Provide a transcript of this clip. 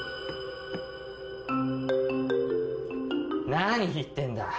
何言ってんだ。